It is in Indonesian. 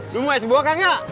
lu mau es buah kak nggak